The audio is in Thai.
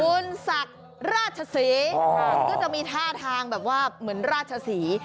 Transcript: คุณสักราชสีก็จะมีท่าทางเหมือนราชสี